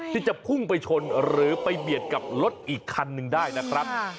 ที่จะพุ่งไปชนหรือไปเบียดกับรถอีกคันหนึ่งได้นะครับ